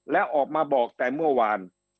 และออกมาบอกแต่เมื่อวาน